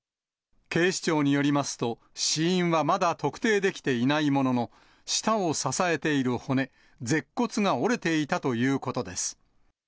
警視庁によりますと、死因はまだ特定できていないものの、舌を支えている骨、舌骨が折れていたということです。